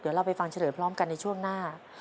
เดี๋ยวเราไปฟังเฉลยพร้อมกันในช่วงหน้า